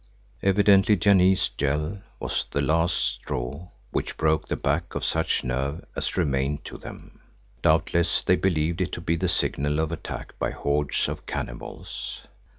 Evidently Janee's yell was the last straw which broke the back of such nerve as remained to them. Doubtless they believed it to be the signal of attack by hordes of cannibals.